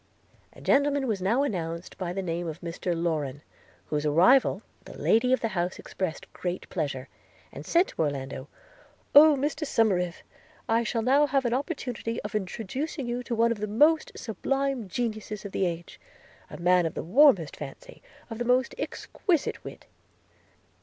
A gentleman was now announced by the name of Mr Lorrain, at whose arrival the lady of the house expressed great pleasure; and said to Orlando, 'Oh, Mr Somerive! I shall now have an opportunity of introducing you to one of the most sublime geniuses of the age – a man of the warmest fancy, of the most exquisite wit.'